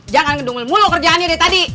jangan ngedumel mulu kerjaannya deh tadi